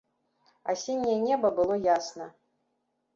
Асенняе неба было ясна.